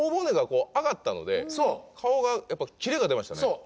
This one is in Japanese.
そう。